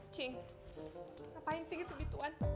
cing ngapain sih gitu gituan